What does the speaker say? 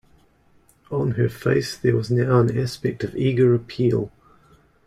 On her face there was now an aspect of eager appeal.